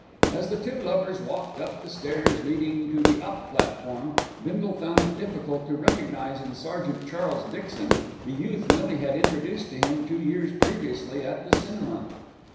As the two lovers walked up the stairs leading to the up platform, Bindle found it difficult to recognise in Sergeant Charles Dixon the youth Millie had introduced to him two years previously at the cinema.